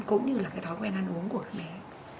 cũng như là cái thói quen ăn uống của mẹ